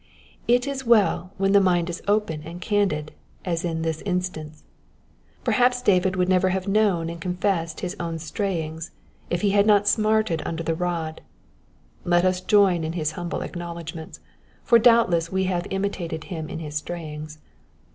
It is well when the mind is open and candid, as in this instance : perhap David would never have known and confessed his own Btrayings if he had not smarted under the rod. Let us join in his humble acknowledgments, for doubtless we have imitated him in his strayings.